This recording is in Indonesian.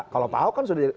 kalau pak ahok kan sudah